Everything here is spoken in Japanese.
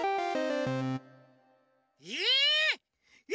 え！？